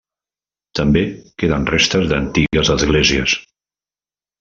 També queden restes d'antigues esglésies.